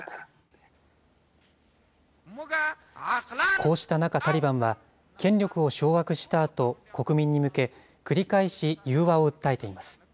こうした中、タリバンは権力を掌握したあと、国民に向け、繰り返し融和を訴えています。